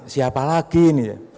siapa lagi ini